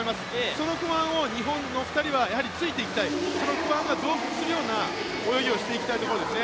その不安を日本の２人はやはりついていきたい、その不安が増幅するような泳ぎをしていきたいところですね。